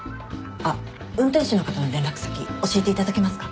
あっ運転手の方の連絡先教えていただけますか？